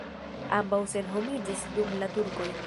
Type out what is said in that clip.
Ambaŭ senhomiĝis dum la turkoj.